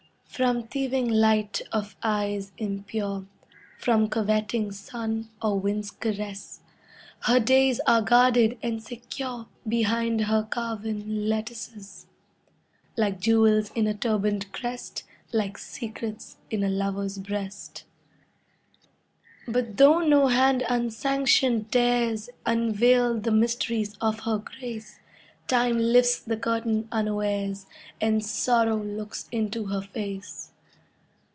From thieving light of eyes impure, From coveting sun or wind's caress, Her days are guarded and secure Behind her carven lattices, Like jewels in a turbaned crest, Like secrets in a lover's breast. But though no hand unsanctioned dares Unveil the mysteries of her grace, Time lifts the curtain unawares, And Sorrow looks into her face